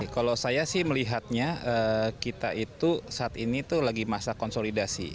kalau saya sih melihatnya kita itu saat ini tuh lagi masa konsolidasi